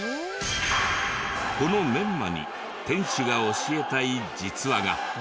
このメンマに店主が教えたい「実は」が。